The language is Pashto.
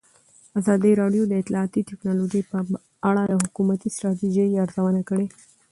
ازادي راډیو د اطلاعاتی تکنالوژي په اړه د حکومتي ستراتیژۍ ارزونه کړې.